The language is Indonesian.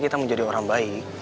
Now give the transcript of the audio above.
kita mau jadi orang baik